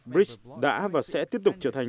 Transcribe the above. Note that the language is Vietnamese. brics đã và sẽ tiếp tục trở thành